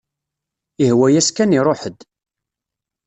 Ihwa-yas kan iruḥ-d.